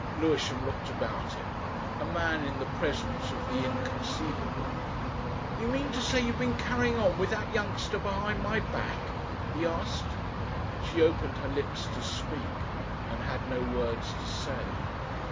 Lewisham looked about him a man in the presence of the inconceivable. "You mean to say you have been carrying on with that youngster behind my back?" he asked. She opened her lips to speak and had no words to say.